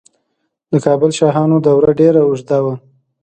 د کابل شاهانو دوره ډیره اوږده وه